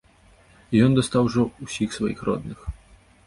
І ён дастаў ужо ўсіх сваіх родных.